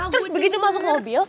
terus begitu masuk mobil